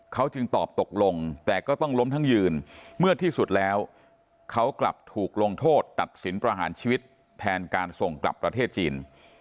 เขาจึงตอบตกลงแต่ก็ต้องล้มทั้งยืนเมื่อที่สุดแล้วเขากลับถูกลงโทษตัดสินประหารชีวิตแทนการส่งกลับประเทศจีน